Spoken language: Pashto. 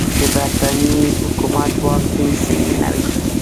د برټانیې حکومت واک ټینګ سوی نه وي.